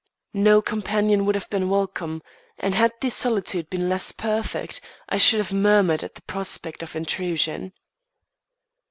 No companion would have been welcome, and had the solitude been less perfect, I should have murmured at the prospect of intrusion.